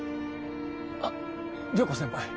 あっ涼子先輩